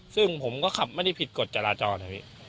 ซึ่งผมก็ขับไม่ได้ผิดกฎจราจรนะพี่